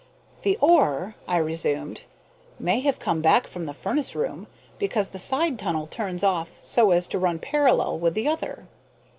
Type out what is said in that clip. "The ore," I resumed, "may have come back from the furnace room, because the side tunnel turns off so as to run parallel with the other."